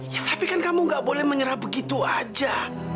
ya tapi kan kamu gak boleh menyerah begitu aja